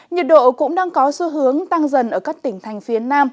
nhiệt độ cũng đang có xu hướng tăng dần ở các tỉnh thành phía nam